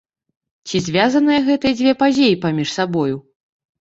Ці звязаныя гэтыя дзве падзеі паміж сабою?